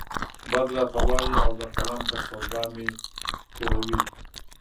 بد راته وايي او د قلم په سودا مې توره وي.